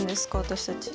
私たち。